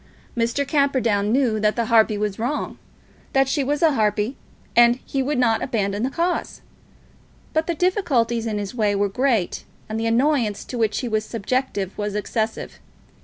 Mr. Camperdown knew that the harpy was wrong, that she was a harpy, and he would not abandon the cause; but the difficulties in his way were great, and the annoyance to which he was subjected was excessive.